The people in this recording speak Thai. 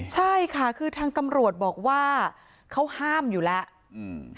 ใช่ค่ะคือทางตำรวจบอกว่าเขาห้ามอยู่แล้วอืม